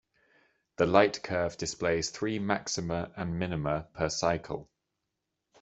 The light curve displays three maxima and minima per cycle.